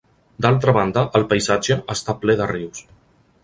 D'altra banda, el paisatge està ple de rius.